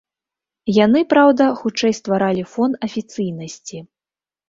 Яны, праўда, хутчэй стваралі фон афіцыйнасці.